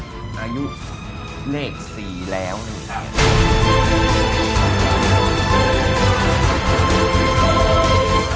อายุเลข๔แล้วนี่ค่ะ